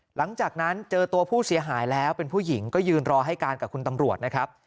หลังจากนั้นเจอตัวผู้เสียหายแล้วเป็นผู้หญิงก็ยืนรอให้การกับคุณตำรวจนะครับ